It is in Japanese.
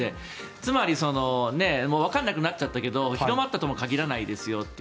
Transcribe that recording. つまりわからなくなっちゃったけど広まったとも限らないですよという。